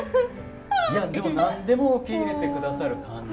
いやでも何でも受け入れて下さる感じ。